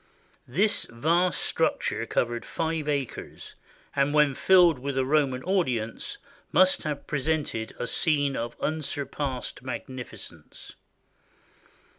This vast structure covered five acres, and when filled with a Roman audience must have presented a scene of unsur passed magnificence.